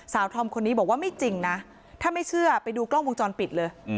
ธอมคนนี้บอกว่าไม่จริงนะถ้าไม่เชื่อไปดูกล้องวงจรปิดเลย